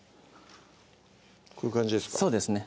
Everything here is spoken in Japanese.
こういう感じですか？